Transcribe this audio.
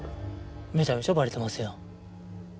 めちゃめちゃばれてますやん。